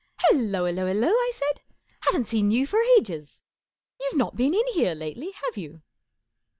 41 Hallo alloallo !* J I said. 4 ' Haven't seen you for ages. You've not been in here lately, have you